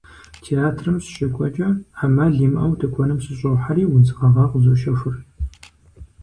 Театрым сыщыкӏуэкӏэ ӏэмал имыӏэу тыкуэным сыщӏохьэри, удз гъэгъа къызощэхур.